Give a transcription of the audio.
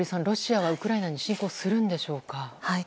ロシアはウクライナに侵攻するんでしょうか。